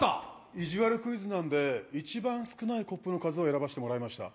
いじわるクイズなんで、一番少ないコップの数を選ばせてもらいました。